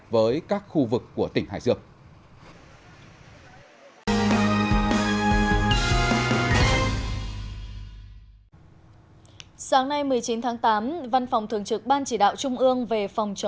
với các khu vực của tỉnh hải dương